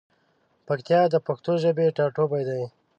پکتیا د پښتو ژبی ټاټوبی دی.